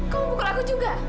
kamu pukul aku juga